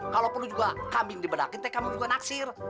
kalau perlu juga kambing dibedakin teh kamu juga naksir